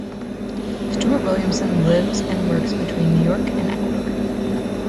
Stuart Williamson lives and works between New York and Ecuador.